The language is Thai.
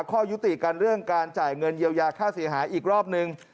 ข้อยุติกันเรื่องการจ่ายเงินเยียวยาค่าเสียหายอีกรอบนึง